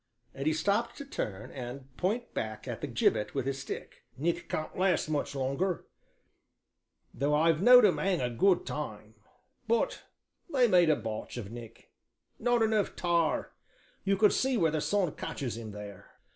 And he stopped to turn, and point back at the gibbet with his stick. "Nick can't last much longer, though I've know'd 'em hang a good time but they made a botch of Nick not enough tar; you can see where the sun catches him there!"